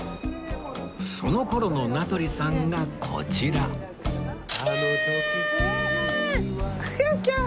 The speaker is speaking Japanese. その頃の名取さんがこちらキャーッ！